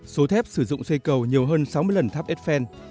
số thép sử dụng xây cầu nhiều hơn sáu mươi lần tháp eiffel